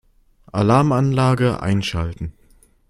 Alarmanlage einschalten.